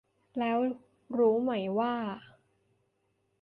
แล้วรู้ไหมว่า